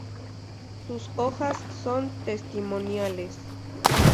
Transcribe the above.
Sus hojas son testimoniales.